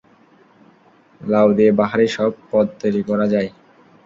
লাউ দিয়ে বাহারি সব পদ তৈরি করা যায়।